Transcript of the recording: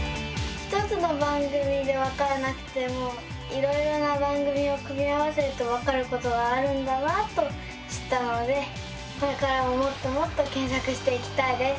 １つの番組でわからなくてもいろいろな番組を組み合わせるとわかることがあるんだなと知ったのでこれからももっともっと検索していきたいです。